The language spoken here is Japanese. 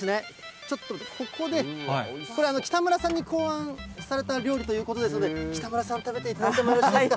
ちょっとここで、これ、北村さんが考案された料理ということですので、北村さん、食べていただいてもよろしいですか？